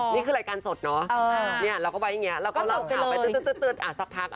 นี่คือรายการสดเนาะเราก็ไว้อย่างนี้เราก็เล่าข่าวไปตื๊ดสักพัก